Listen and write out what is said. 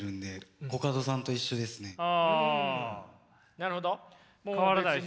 なるほど。